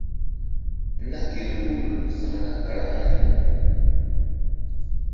Na gel hul késakra karaŋri.